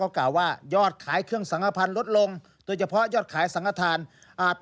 เพราะว่าด้วยเศรษฐกิจด้วยด้วยอะไรด้วย